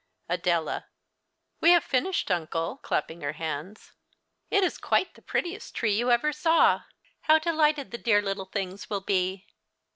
Adela. AVe have finished, uncle (clapping her hands). It is quite the prettiest tree you ever saw. How delighted the dear little things will be